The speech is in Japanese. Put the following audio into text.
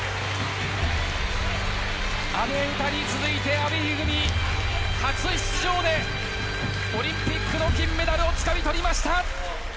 阿部詩に続いて阿部一二三初出場でオリンピックの金メダルをつかみ取りました！